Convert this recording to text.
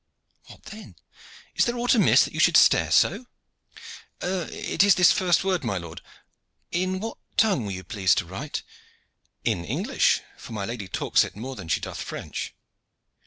What then? Is there aught amiss, that you should stare so?" "It is this first word, my lord. In what tongue were you pleased to write?" "In English; for my lady talks it more than she doth French.